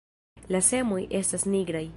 La semoj estas nigraj.